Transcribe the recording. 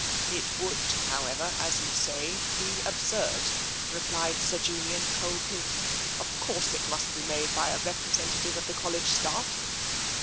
" It would, however, as you say, be absurd,*' re plied Sir Julian coldly. "Of course, it must be made by a representative of the College staff.